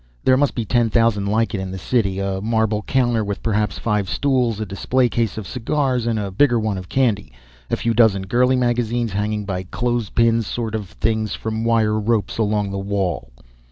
There must be ten thousand like it in the city. A marble counter with perhaps five stools, a display case of cigars and a bigger one of candy, a few dozen girlie magazines hanging by clothespin sort of things from wire ropes along the wall.